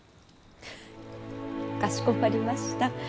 フッかしこまりました。